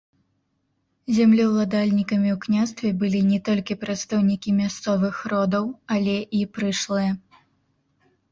Землеўладальнікамі ў княстве былі не толькі прадстаўнікі мясцовых родаў, але і прышлыя.